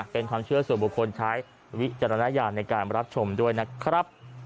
เป็นความเชื่อส่วนบุคคลใช้วิจารณญาณในการรับชมด้วยนะครับ